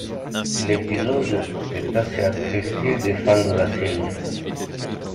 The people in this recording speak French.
L'épisode est assez apprécié des fans de la série.